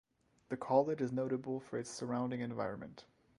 The college is notable for its surrounding environment.